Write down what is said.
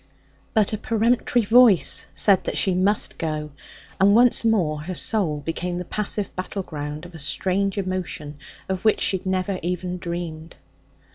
But a peremptory voice said that she must go, and once more her soul became the passive battleground of strange emotions of which she had never even dreamed.